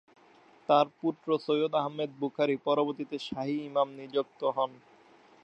তার পুত্র সৈয়দ আহমেদ বুখারী পরবর্তীতে শাহী ইমাম নিযুক্ত হন।